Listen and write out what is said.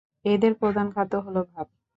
এদের প্রধান খাদ্য হল ভাত।